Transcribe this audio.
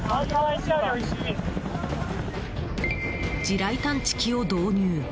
地雷探知機を導入。